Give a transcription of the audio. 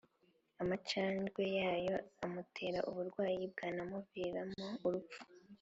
amacandwe yayo amutera uburwayi bwanamuviriyemo urupfu.